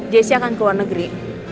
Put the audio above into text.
jessy akan keluar negeri